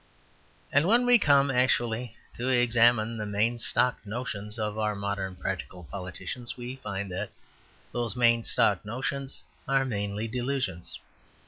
And when we come actually to examine the main stock notions of our modern practical politicians, we find that those main stock notions are mainly delusions.